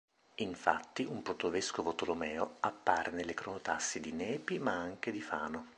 Infatti un protovescovo Tolomeo appare nelle cronotassi di Nepi, ma anche di Fano.